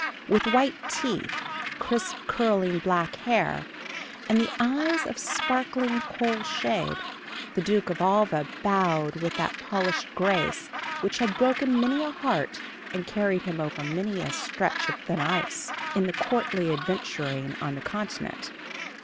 With white teeth, crisp curling black hair, and eyes of sparkling coal shade, the Duke of Alva bowed with that polished grace which had broken many a heart and carried him over many a stretch of thin ice, in the courtly adventuring on the Continent.